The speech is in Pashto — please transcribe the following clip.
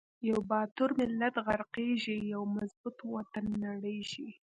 یو باتور ملت غر قیږی، یو مضبوط وطن نړیږی